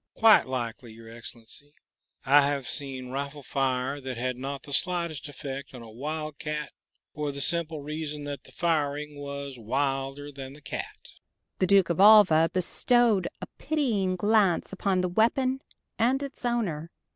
"Quite likely, your Excellency. I have seen rifle fire that had not the slightest effect on a wildcat for the simple reason that the firing was wilder than the cat!" The Duke of Alva bestowed a pitying glance upon the weapon and its owner.